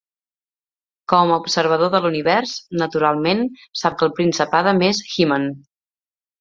Com a observador de l'univers, naturalment sap que el Príncep Adam és en He-Man.